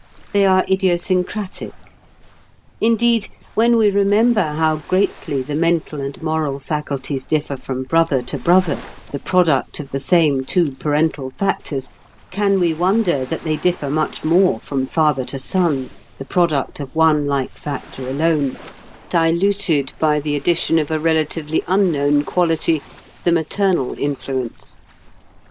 They are idiosyncratic. Indeed, when we remember how greatly the mental and moral faculties differ from brother to brother, the product of the same two parental factors, can we wonder that they differ much more from father to son, the product of one like factor alone, diluted by the addition of a relatively unknown quality, the maternal influence?